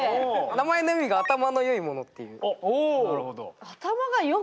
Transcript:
名前の意味が頭のよい者っていう。